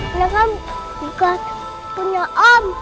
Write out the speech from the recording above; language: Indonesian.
karena kan juga punya om